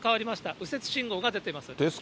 右折信号が出てます。